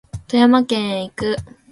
富山県へ行く